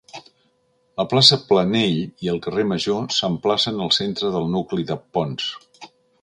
La plaça Planell i el carrer Major s'emplacen al centre del nucli de Ponts.